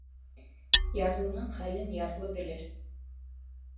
Ярлының хәлен ярлы белер.